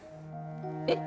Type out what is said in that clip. えっ？